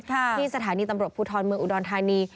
ที่สถานีตำรวจภูทรเมืองอุดรธานี